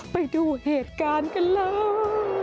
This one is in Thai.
ไปดูเหตุการณ์กันเลย